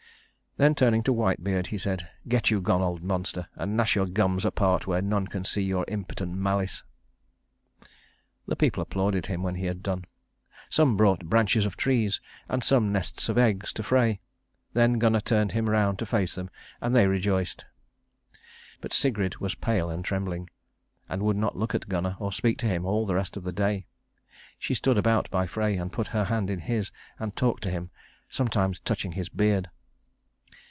Then turning to Whitebeard, he said, "Get you gone, old monster, and gnash your gums apart where none can see your impotent malice." The people applauded him when he had done. Some brought branches of trees, and some nests of eggs to Frey. Then Gunnar turned him round to face them, and they rejoiced. But Sigrid was pale and trembling, and would not look at Gunnar or speak to him all the rest of the day. She stood about by Frey, and put her hand in his, and talked to him, sometimes touching his beard.